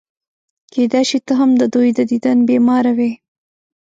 کېدای شي ته هم د دوی د دیدن بیماره وې.